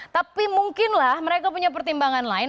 tapi mungkinlah mereka punya pertimbangan lain